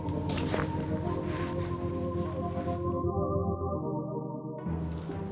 bapak sudah berjaya menangkan bapak